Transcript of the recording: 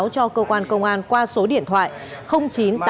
cơ quan công an nơi gần nhất tổng đài một trăm một mươi ba